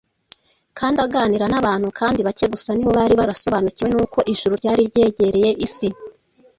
kandi aganira n’abantu kandi bake gusa ni bo bari barasobanukiwe n’uko ijuru ryari ryegereye isi.